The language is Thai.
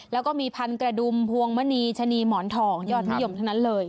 แล้วก็มีพันกระดุมพวงมณีชะนีหมอนทองยอดนิยมทั้งนั้นเลย